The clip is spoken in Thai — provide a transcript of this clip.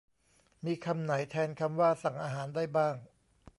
มีคำไหนแทนคำว่า 'สั่งอาหาร' ได้บ้าง